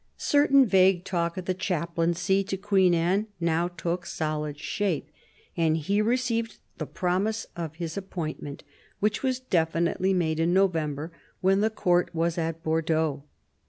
Certain vague talk of the chaplaincy to Queen Anne now took solid shape, and he received the promise of his appointment, which was definitely made in November, when the Court was at Bordeaux.